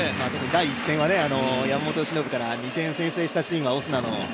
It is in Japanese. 第１戦は山本由伸から２点先制したシーンは、オスナの。